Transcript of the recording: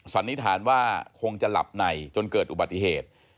สันนิษฐานว่าคงจะหลับในจนเกิดอุบัติเหตุ